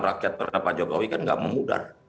rakyat pada pak jokowi kan gak memudah